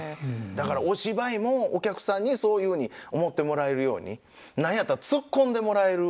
だからお芝居もお客さんにそういうふうに思ってもらえるように何やったらツッコんでもらえるように。